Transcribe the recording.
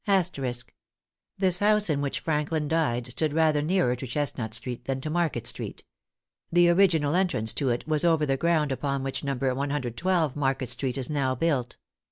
This house, in which Franklin died, stood rather nearer to Chestnut Street than to Market Street. The original entrance to it was over the ground upon which No. 112 Market Street is now built.